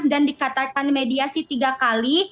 dan dikatakan mediasi tiga kali